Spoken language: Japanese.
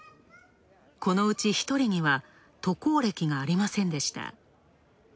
このうち１人には、渡航歴がありませんでした。